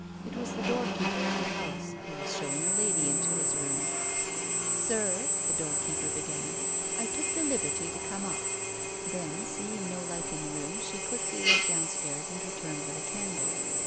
It was the doorkeeper of the house, who was showing a lady into his room. "Sir,'^ the doorkeeper began, "I took the liberty to come up.'' Then, seeing no light in the room, she quickly went down stairs and returned with a candle.